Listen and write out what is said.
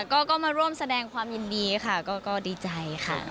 ก็มาร่วมแสดงความยินดีค่ะก็ดีใจค่ะ